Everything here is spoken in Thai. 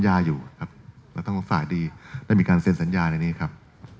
อยู่ครับแล้วทั้งฝ่ายดีได้มีการเซ็นสัญญาในนี้ครับ